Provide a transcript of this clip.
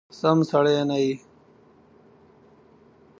سم سړی نه یې !